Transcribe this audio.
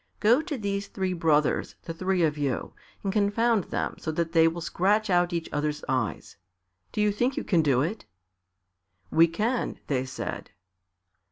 Go to these three brothers, the three of you, and confound them so that they will scratch out each others' eyes. Do you think you can do it?" "We can," they said.